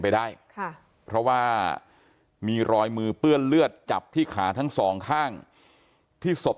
ไปได้ค่ะเพราะว่ามีรอยมือเปื้อนเลือดจับที่ขาทั้งสองข้างที่ศพ